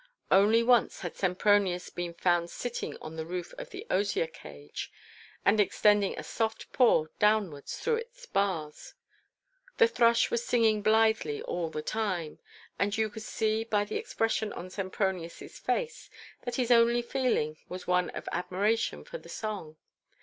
Only once had Sempronius been found sitting on the roof of the osier cage, and extending a soft paw downwards through its bars; the thrush was singing blithely all the time, and you could see by the expression on Sempronius's face that his only feeling was one of admiration for the song.